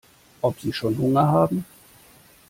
Ob sie schon Hunger haben?